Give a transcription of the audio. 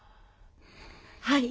はい。